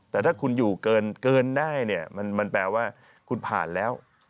แต่ถ้าคุณอยู่เกินได้เนี่ยมันแปลว่าคุณผ่านแล้ว